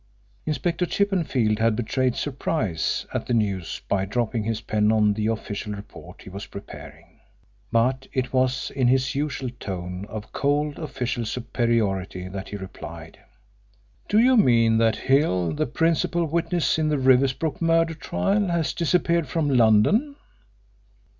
Inspector Chippenfield had betrayed surprise at the news by dropping his pen on the official report he was preparing. But it was in his usual tone of cold official superiority that he replied: "Do you mean that Hill, the principal witness in the Riversbrook murder trial, has disappeared from London?"